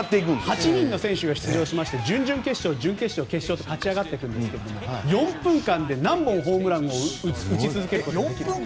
８人の選手が出場しまして準々決勝、準決勝と勝ち上がっていくんですけど４分間で何本ホームランを打ち続けるか。